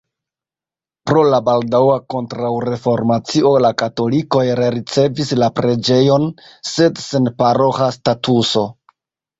Pro la baldaŭa kontraŭreformacio la katolikoj rericevis la preĝejon, sed sen paroĥa statuso.